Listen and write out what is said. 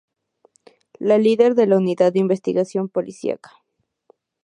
La líder de la unidad de investigación policiaca.